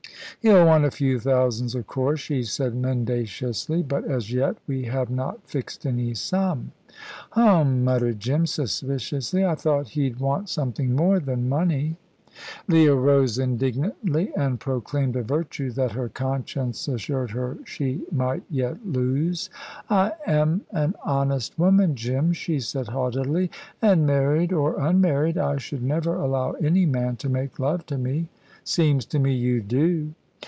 "He'll want a few thousands, of course," she said mendaciously; "but, as yet, we have not fixed any sum." "Hum," muttered Jim, suspiciously. "I thought he'd want something more than money." Leah rose indignantly, and proclaimed a virtue that her conscience assured her she might yet lose. "I am an honest woman, Jim," she said haughtily, "and, married or unmarried, I should never allow any man to make love to me." "Seems to me you do."